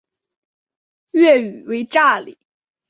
粤语为炸厘。